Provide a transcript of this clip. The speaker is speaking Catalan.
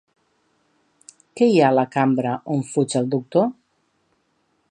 Què hi ha a la cambra on fuig el Doctor?